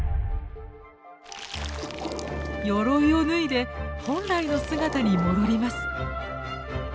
よろいを脱いで本来の姿に戻ります。